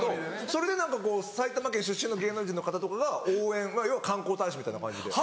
それで埼玉県出身の芸能人の方とかが応援要は観光大使みたいな感じで。